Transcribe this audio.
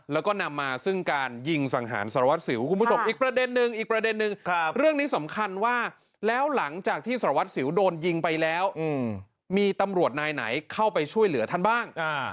แล้วก็นำมาซึ่งการยิงสังหารสารวัสสิวคุณผู้ชมอีกประเด็นนึงอีกประเด็นนึงเรื่องนี้สำคัญว่าแล้วหลังจากที่สารวัตรสิวโดนยิงไปแล้วมีตำรวจนายไหนเข้าไปช่วยเหลือท่านบ้าง